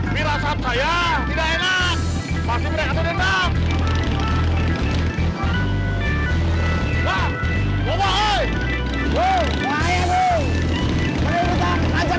bila sahab saya tidak enak masih tidak bisa dendam